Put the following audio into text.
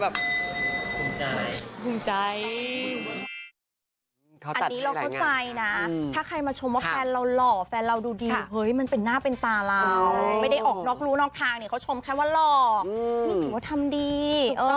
เป็นตาเราไม่ได้ออกนอกรู้นอกทางเนี่ยเขาชมแค่ว่าหลอกหรือว่าทำดี